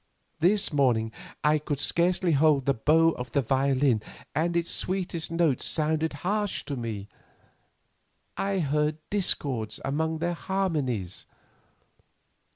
This morning I could scarcely hold the bow of the violin, and its sweetest notes sounded harsh to me; I heard discords among their harmonies.